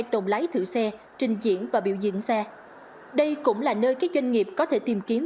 đây cũng là nơi các doanh nghiệp có thể tìm kiếm